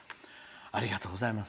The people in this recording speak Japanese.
ありがとうございます。